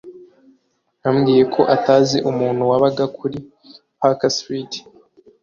yambwiye ko atazi umuntu wabaga kuri Park Street.